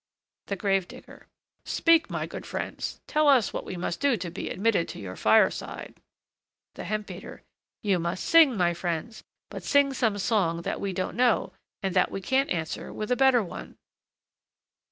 THE GRAVE DIGGER. Speak, my good friends; tell us what we must do to be admitted to your fireside. THE HEMP BEATER. You must sing, my friends, but sing some song that we don't know, and that we can't answer with a better one.